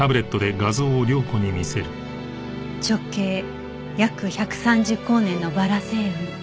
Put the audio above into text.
直径約１３０光年のバラ星雲。